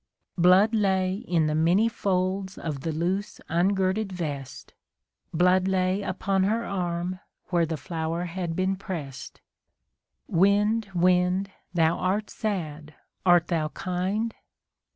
Blood lay in the many folds of the loose ungirded vest. Blood lay upon her arm where the flower had been prest. Wind, wind! thou art sad, art thou kind?